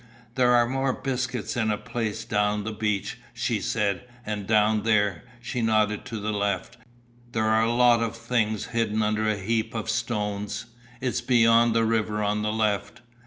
"There are more biscuits in a place down the beach," she said, "and down there," she nodded to the left, "there are a lot of things hidden under a heap of stones. It's beyond the river on the left."